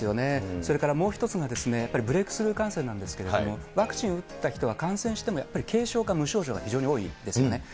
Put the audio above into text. それからもう一つがブレイクスルー感染なんですけれども、ワクチン打った人は、感染してもやっぱり軽症か無症状が非常に多いですよね。